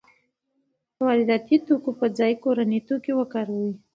د وارداتي توکو په ځای کورني توکي وکاروئ.